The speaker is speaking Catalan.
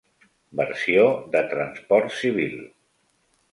Versió de transport civil.